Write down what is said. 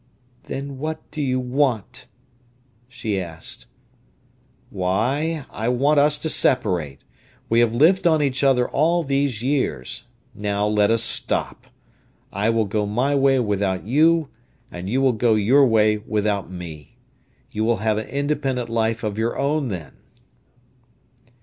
"Then what do you want?" she asked. "Why, I want us to separate. We have lived on each other all these years; now let us stop. I will go my own way without you, and you will go your way without me. You will have an independent life of your own then."